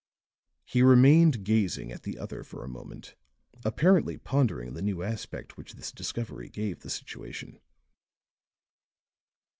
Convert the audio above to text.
He remained gazing at the other for a moment, apparently pondering the new aspect which this discovery gave the situation.